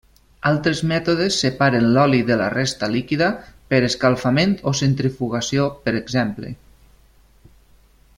Altres mètodes separen l'oli de la resta líquida per escalfament o centrifugació per exemple.